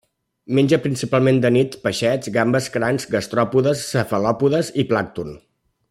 Menja principalment de nit peixets, gambes, crancs, gastròpodes, cefalòpodes i plàncton.